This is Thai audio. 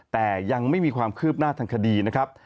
แต่ยังไม่มีความคืบหน้าทางคดีนะครับ